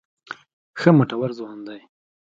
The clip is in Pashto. ښه مټور ځوان دی.